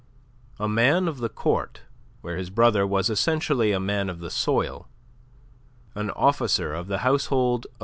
A man of the Court, where his brother was essentially a man of the soil, an officer of the household of M.